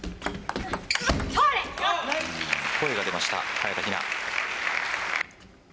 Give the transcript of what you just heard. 声が出ました、早田ひな。